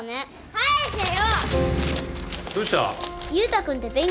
返せよ！